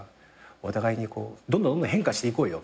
お互いにどんどん変化していこうよ。